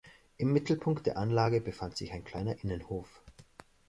Im Mittelpunkt der Anlage befand sich ein kleiner Innenhof.